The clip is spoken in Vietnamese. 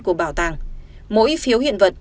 của bảo tàng mỗi phiếu hiện vật